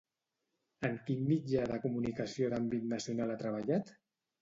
En quin mitjà de comunicació d'àmbit nacional ha treballat?